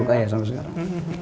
suka ya selalu sekarang